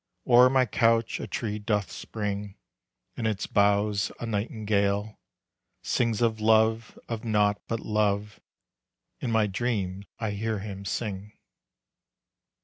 O'er my couch a tree doth spring In its boughs a nightingale Sings of love, of naught but love, In my dream I hear him sing.